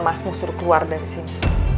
bilangin sama mas nek suruh keluar dari sini